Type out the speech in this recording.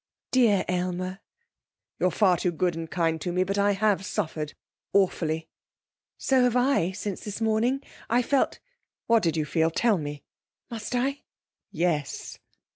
'Dear Aylmer!' 'You're far too good and kind to me. But I have suffered awfully.' 'So have I, since this morning. I felt ' 'What did you feel? Tell me!' 'Must I?' 'Yes!'